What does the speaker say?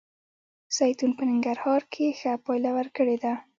زیتون په ننګرهار کې ښه پایله ورکړې ده